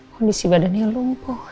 kondisi badannya lumpuh